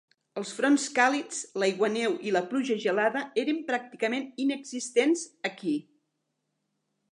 Els fronts càlids, l'aiguaneu i la pluja gelada eren pràcticament inexistents aquí.